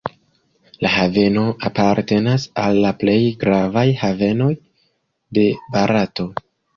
La haveno apartenas al la plej gravaj havenoj de Barato.